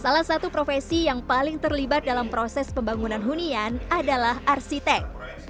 salah satu profesi yang paling terlibat dalam proses pembangunan hunian adalah arsitek